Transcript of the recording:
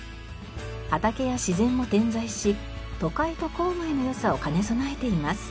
畑や自然も点在し都会と郊外の良さを兼ね備えています。